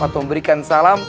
atau memberikan salam